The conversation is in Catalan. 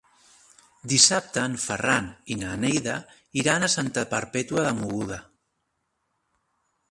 Dissabte en Ferran i na Neida iran a Santa Perpètua de Mogoda.